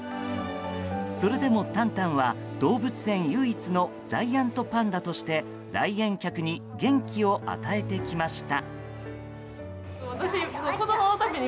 それでもタンタンは動物園唯一のジャイアントパンダとして来園客に元気を与えてきました。